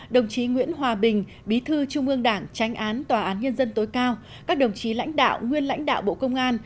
đồng chí nguyễn hòa bình bí thư trung ương đảng tránh án tòa án nhân dân tối cao các đồng chí lãnh đạo nguyên lãnh đạo bộ công an